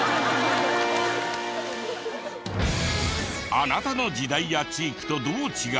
あなたの時代や地域とどう違う？